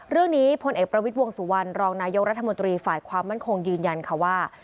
พลเอกประวิทย์วงสุวรรณรองนายกรัฐมนตรีฝ่ายความมั่นคงยืนยันค่ะว่า